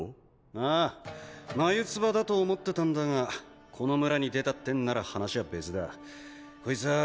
ああ眉唾だと思ってたんだがこの村に出たってんなら話は別だこいつぁ